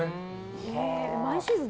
毎シーズン